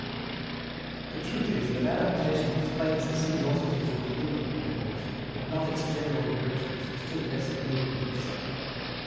The truth is that adaptation explains the sinuosities of the movement of evolution, but not its general directions, still less the movement itself.